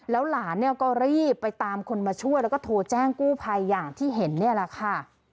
แล้วหลานเนี่ยก็รีบไปตามคนมาช่วยแล้วก็โทรแจ้งกู้ภัยอย่างที่เห็นเนี่ยแหละค่ะ